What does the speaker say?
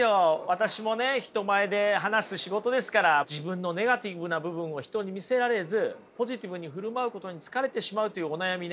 私もね人前で話す仕事ですから自分のネガティブな部分を人に見せられずポジティブに振る舞うことに疲れてしまうというお悩みね。